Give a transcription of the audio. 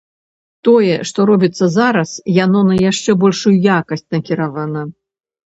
Тое, што робіцца зараз, яно на яшчэ большую якасць накіравана.